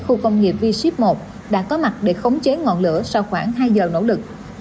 khu công nghiệp v ship một đã có mặt để khống chế ngọn lửa sau khoảng hai giờ nỗ lực